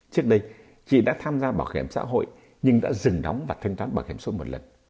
trước đây chị đã tham gia bảo hiểm xã hội nhưng đã dừng đóng và thanh toán bảo hiểm xã hội một lần